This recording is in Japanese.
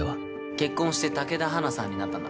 結婚して武田花さんになったんだ。